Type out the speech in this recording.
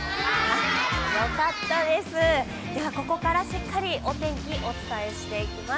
よかったです、ここからしっかりお天気をお伝えしていきます。